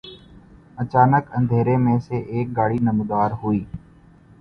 اچانک اندھیرے میں سے ایک گاڑی نمودار ہوئی